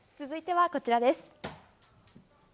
続いては、こちらです。